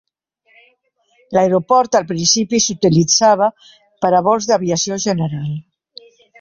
L'aeroport al principi s'utilitzava per a vols d'aviació general.